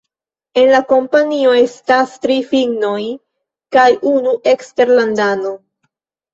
En la kompanio estas tri finnoj kaj unu eksterlandano.